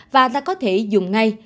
và ta có thể dùng ngay